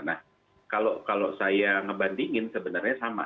nah kalau saya ngebandingin sebenarnya sama